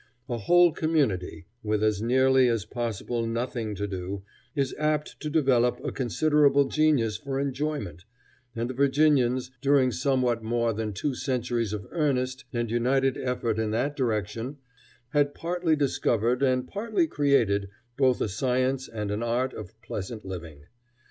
A whole community, with as nearly as possible nothing to do, is apt to develop a considerable genius for enjoyment, and the Virginians, during somewhat more than two centuries of earnest and united effort in that direction, had partly discovered and partly created both a science and an art of pleasant living.